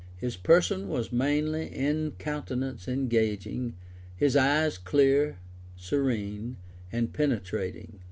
His person was manly, his countenance engaging, his eyes clear serene, and penetrating.